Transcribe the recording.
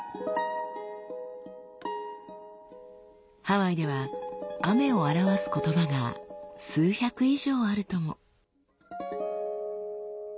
ハワイでは「雨」を表す言葉が数百以上あるとも。